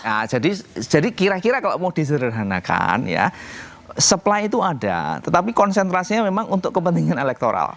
nah jadi kira kira kalau mau disederhanakan ya supply itu ada tetapi konsentrasinya memang untuk kepentingan elektoral